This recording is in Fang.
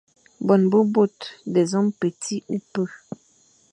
Bo be bôr, des hommes petits, ou peu.